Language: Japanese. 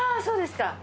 そうですか。